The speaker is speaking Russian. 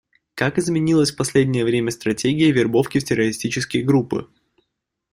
Как изменилась в последнее время стратегия вербовки в террористические группы?